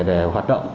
để hoạt động